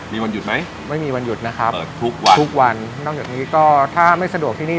มีวันหยุดไหมไม่มีวันหยุดนะครับเปิดทุกวันทุกวันนอกจากนี้ก็ถ้าไม่สะดวกที่นี่